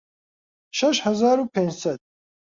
شەش هەزار و پێنج سەد